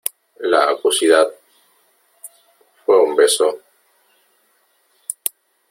la acuosidad ... fue un beso ...